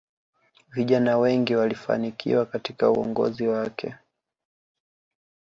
viijana wengi walifanikiwa katika uongozi wake